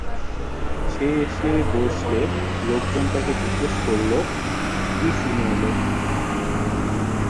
সে এসে বসলে লোকজন তাকে জিজ্ঞেস করলো: কি শুনে এলে।